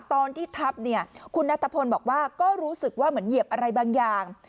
ตอนที่ทับเนี่ยคุณนัทพลบอกว่าก็รู้สึกว่าเหมือนเหยียบอะไรบางอย่าง